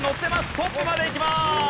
トップまでいきます！